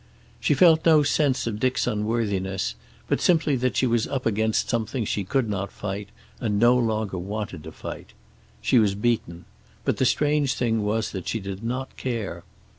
She felt no sense of Dick's unworthiness, but simply that she was up against something she could not fight, and no longer wanted to fight. She was beaten, but the strange thing was that she did not care.